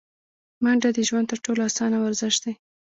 منډه د ژوند تر ټولو اسانه ورزش دی